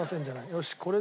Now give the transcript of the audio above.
よしこれで。